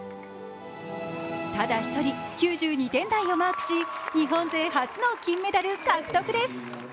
ただ１人、９２点台をマークし日本勢初の金メダル獲得です。